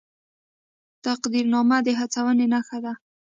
تقدیرنامه د هڅونې نښه ده